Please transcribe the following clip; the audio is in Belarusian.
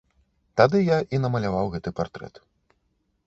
Тады я і намаляваў гэты партрэт.